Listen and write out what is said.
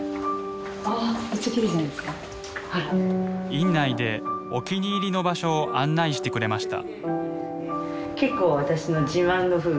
院内でお気に入りの場所を案内してくれました。